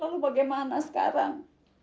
lalu bagaimana sekarang